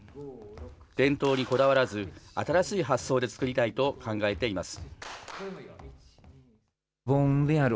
伝統にこだわらず、新しい発想で作りたいと考えています。